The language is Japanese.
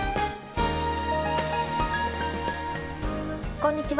こんにちは。